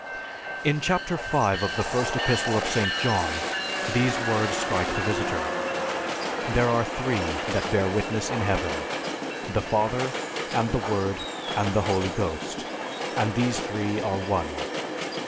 In chapter V of the first Epistle of St. John, these words strike the visitor, "There are three that bear witness in heaven, the Father, and the Word, and the Holy Ghost, and these three are One."